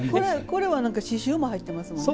これは刺しゅうも入っていますもんね。